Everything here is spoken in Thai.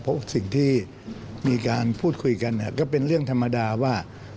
เพราะสิ่งที่มีการพูดคุยกันก็เป็นเรื่องธรรมดาว่า